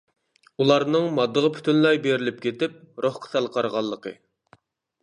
ئۇلارنىڭ ماددىغا پۈتۈنلەي بېرىلىپ كېتىپ، روھقا سەل قارىغانلىقى.